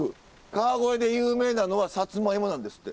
川越で有名なのはさつまいもなんですって。